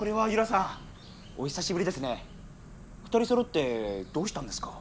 ２人そろってどうしたんですか？